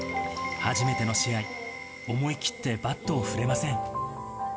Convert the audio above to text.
初めての試合、思い切ってバットを振れません。